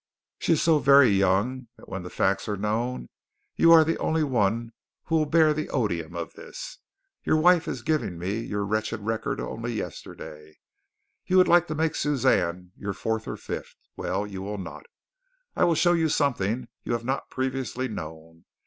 She is so very young that when the facts are known, you are the only one who will bear the odium of this. Your wife has given me your wretched record only yesterday. You would like to make my Suzanne your fourth or fifth. Well, you will not. I will show you something you have not previously known.